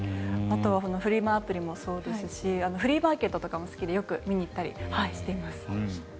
あとはフリマアプリもそうですしフリーマーケットとかも好きでよく見に行ったりしています。